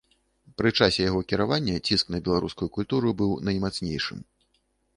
Пры часе яго кіравання ціск на беларускую культуру быў наймацнейшым.